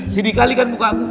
sedih kali kan muka aku